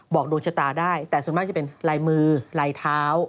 ดวงชะตาได้แต่ส่วนมากจะเป็นลายมือลายเท้า